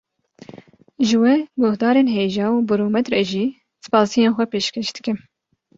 Ji we guhdarên hêja û bi rûmet re jî spasiyên xwe pêşkêş dikim